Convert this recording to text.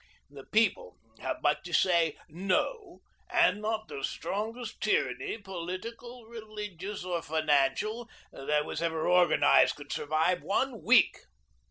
The People have but to say 'No,' and not the strongest tyranny, political, religious, or financial, that was ever organised, could survive one week."